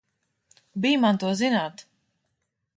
Bij man to zināt!